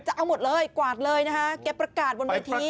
จะเอาหมดเลยกวาดเลยนะคะแกประกาศบนเวที